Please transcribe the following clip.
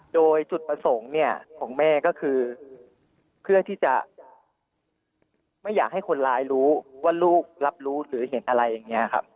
โดยจุดประสงค์เนี่ยของแม่ก็คือเพื่อที่จะไม่อยากให้คนร้ายรู้ว่าลูกรับรู้หรือเห็นอะไรอย่างนี้ครับ